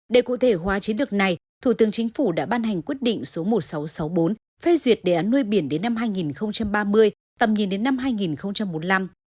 để cụ thể hóa chiến lược này thủ tướng chính phủ đã ban hành quyết định số một nghìn sáu trăm sáu mươi bốn phê duyệt đề án nuôi biển đến năm hai nghìn ba mươi tầm nhìn đến năm hai nghìn bốn mươi năm